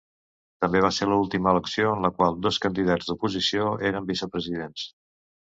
També va ser l'última elecció en la qual dos candidats d'oposició eren vicepresidents.